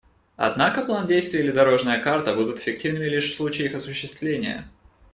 Однако план действий или «дорожная карта» будут эффективными лишь в случае их осуществления.